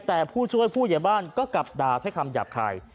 แต่ผู้ช่วยผู้ใหญ่บ้านก็กลับด่าด้วยคำหยาบคาย